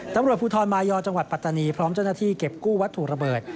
ตำรวจภูทรมายอจังหวัดปัตตานีพร้อมเจ้าหน้าที่เก็บกู้วัตถุระเบิด